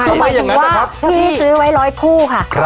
คือหมายถึงว่าพี่ซื้อไว้๑๐๐คู่ค่ะ